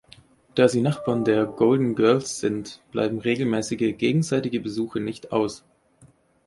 Da sie Nachbarn der "Golden Girls" sind, bleiben regelmäßige gegenseitige Besuche nicht aus.